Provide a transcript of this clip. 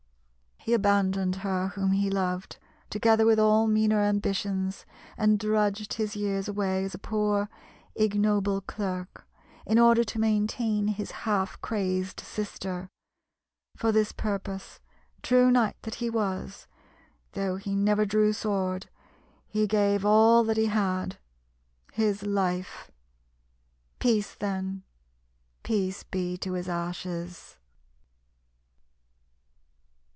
He abandoned her whom he loved, together with all meaner ambitions, and drudged his years away as a poor, ignoble clerk, in order to maintain his half crazed sister; for this purpose true knight that he was, though he never drew sword he gave all that he had HIS LIFE! Peace, then! peace be to his ashes!